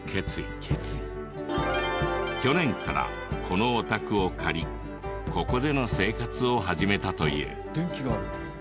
去年からこのお宅を借りここでの生活を始めたという。